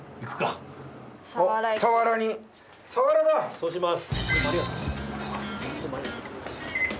そうします。